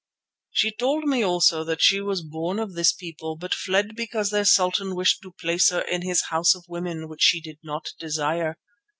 "She told me also that she was born of this people, but fled because their sultan wished to place her in his house of women, which she did not desire.